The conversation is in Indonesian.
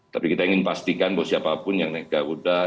tapi kita ingin pastikan buat siapapun yang negaruda